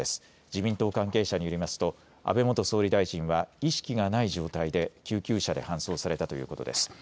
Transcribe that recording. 自民党関係者によりますと安倍元総理大臣は意識がない状態で救急車で搬送されたということです。